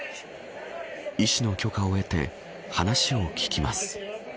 医師の許可を得て話を聞きます。